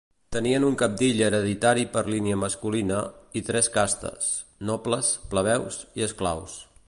Tenien un cabdill hereditari per línia masculina i tres castes: nobles, plebeus i esclaus.